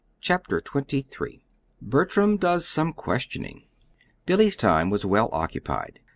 CHAPTER XXIII BERTRAM DOES SOME QUESTIONING Billy's time was well occupied.